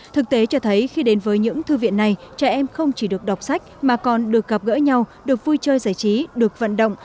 thực tế cho thấy khi đến với những thư viện này trẻ em không chỉ được đọc sách mà còn được gặp gỡ nhau được vui chơi giải trí được vận động